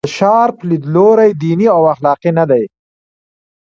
د شارپ لیدلوری دیني او اخلاقي نه دی.